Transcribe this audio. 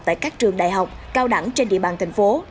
tại các trường đại học cao đẳng trên địa bàn thành phố